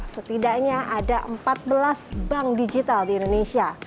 setidaknya ada empat belas bank digital di indonesia